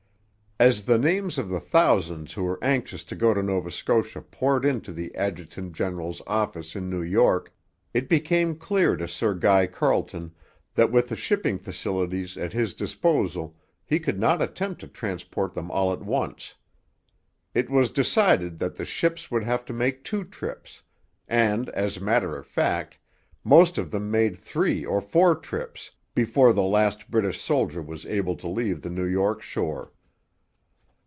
As the names of the thousands who were anxious to go to Nova Scotia poured into the adjutant general's office in New York, it became clear to Sir Guy Carleton that with the shipping facilities at his disposal he could not attempt to transport them all at once. It was decided that the ships would have to make two trips; and, as a matter of fact, most of them made three or four trips before the last British soldier was able to leave the New York shore.